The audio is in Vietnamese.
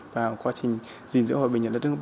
vào quá trình gìn giữ hòa bình